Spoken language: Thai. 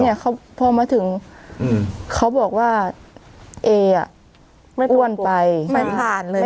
เนี้ยเขาพอมาถึงอืมเขาบอกว่าเออ่ะไม่อ้วนไปไม่ผ่านเลย